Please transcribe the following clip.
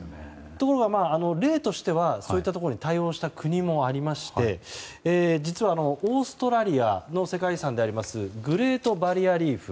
ところが例としてはそういったところに対応した国もありまして実は、オーストラリアの世界遺産でありますグレートバリアリーフ。